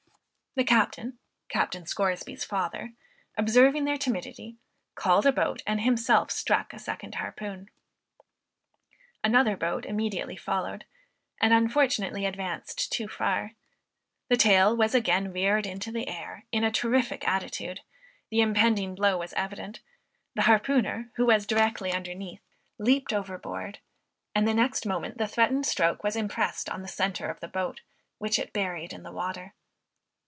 The captain, (Captain Scoresby's father,) observing their timidity, called a boat, and himself struck a second harpoon. Another boat immediately followed, and unfortunately advanced too far. The tail was again reared into the air, in a terrific attitude, the impending blow was evident, the harpooner, who was directly underneath, leaped overboard, and the next moment the threatened stroke was impressed on the centre of the boat, which it buried in the water.